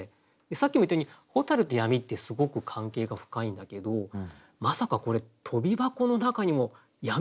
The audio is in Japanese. さっきも言ったように蛍と闇ってすごく関係が深いんだけどまさかこれ跳び箱の中にも闇があるんだっていう。